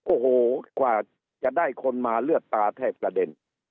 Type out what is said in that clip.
โอ้โหกว่าจะได้คนมาเลือดตาแทบกระเด็น